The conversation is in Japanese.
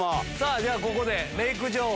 ではここでメーク情報。